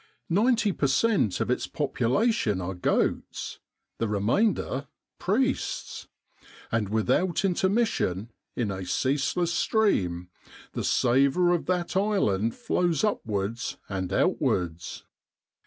Ninety per cent, of its population are goats, the re mainder priests ; and without intermission, in a ceaseless stream, the savour of that island flows upwards and outwards.